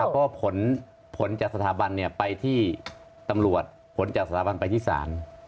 เพราะผลจากสถาบันไปที่ตำรวจผลจากสถาบันไปที่ศาล